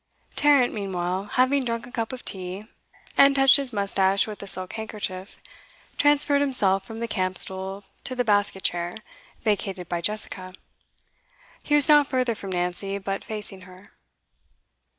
Tarrant, meanwhile, having drunk a cup of tea, and touched his moustache with a silk handkerchief, transferred himself from the camp stool to the basket chair vacated by Jessica. He was now further from Nancy, but facing her.